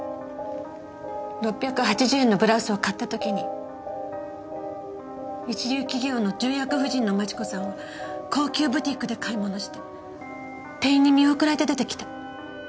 ６８０円のブラウスを買った時に一流企業の重役夫人の万智子さんは高級ブティックで買い物して店員に見送られて出てきた。